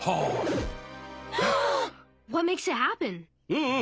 うん。